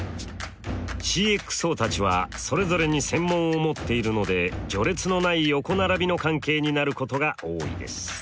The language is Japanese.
ＣｘＯたちはそれぞれに専門を持っているので序列のない横並びの関係になることが多いです。